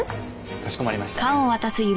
かしこまりました。